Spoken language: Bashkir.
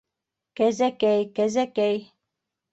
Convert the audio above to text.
- Кәзәкәй-кәзәкәй...